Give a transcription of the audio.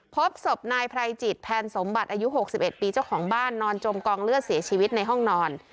พบศพนายไพรจิตแพนสมบัติอายุ๖๑ปีเจ้าของบ้านนอนจมกองเลือดเสียชีวิตในห้องนอน